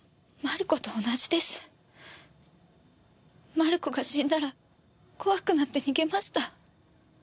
マルコが死んだら怖くなって逃げました。